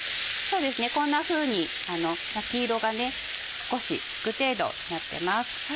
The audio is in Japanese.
こんなふうに焼き色が少しつく程度になってます。